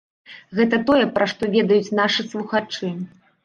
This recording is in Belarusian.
Гэта тое, пра што ведаюць нашы слухачы.